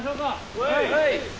はい！